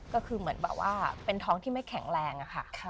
ก็คือเหมือนแบบว่าเป็นท้องที่ไม่แข็งแรงอะค่ะ